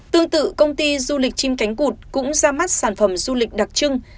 tương tự công ty du lịch chim cánh cụt cũng ra mắt sản phẩm du lịch đặc trưng